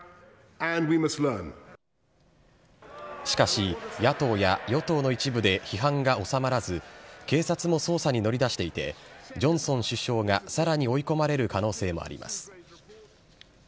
しかし、野党や与党の一部で批判が収まらず、警察も捜査に乗り出していて、ジョンソン首相がさらに追い込まれる可能性もあります。